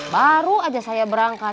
baru aja saya berangkat